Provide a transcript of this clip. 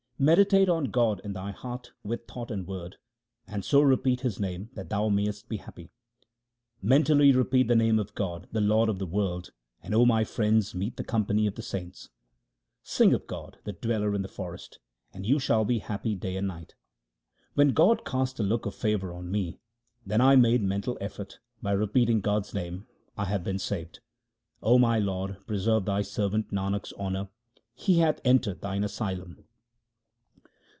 Meditate on God in thy heart with thought and word, and so repeat His name that thou mayest be happy. Mentally repeat the name of God, the Lord of the world ; And, O my friends, meet the company of the saints. Sing of God, the Dweller in the forest, and you shall be happy day and night. When God cast a look of favour on me, then I made mental effort ; by repeating God's name I have been saved. O my Lord, preserve Thy servant Nanak's honour ; he hath entered Thine asylum.